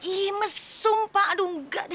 ih mesum pak aduh enggak deh